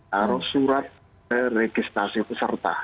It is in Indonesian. harus surat registrasi peserta